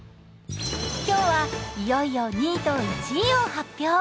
今日は、いよいよ２位と１位を発表。